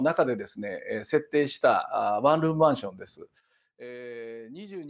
設定したワンルームマンションです。